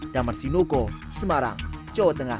damar sinuko semarang jawa tengah